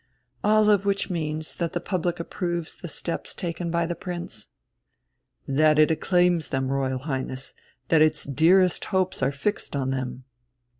"All of which means that the public approves the steps taken by the Prince?" "That it acclaims them, Royal Highness that its dearest hopes are fixed on them."